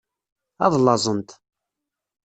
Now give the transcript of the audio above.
Ad llaẓent.